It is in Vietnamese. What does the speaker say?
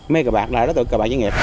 mê cờ bạc lại đối tượng cờ bạc doanh nghiệp